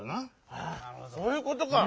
そういうことか！